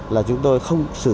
là chúng tôi không sửa hết